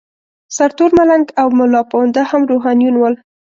سرتور ملنګ او ملاپوونده هم روحانیون ول.